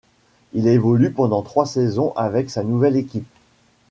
Il évolue pendant trois saisons avec sa nouvelle équipe.